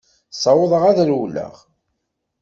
Ssawḍeɣ ad rewleɣ.